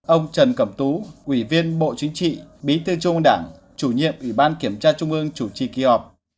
ông trần cẩm tú ủy viên bộ chính trị bí thư trung ương đảng chủ nhiệm ủy ban kiểm tra trung ương chủ trì kỳ họp